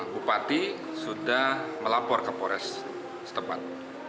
bupati sudah melapor ke polres setempat